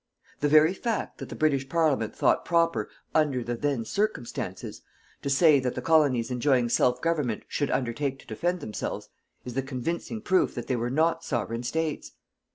The very fact that the British Parliament thought proper, under the then circumstances, to say that the Colonies enjoying self government should undertake to defend themselves, is the convincing proof that they were not Sovereign States.